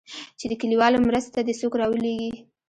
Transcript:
چې د كليوالو مرستې ته دې څوك راولېږي.